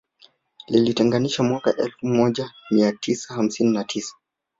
Lilitenganishwa mwaka elfu moja mia tisa hamsini na tisa